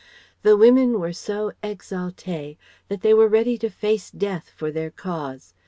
The women were so exaltées that they were ready to face death for their cause.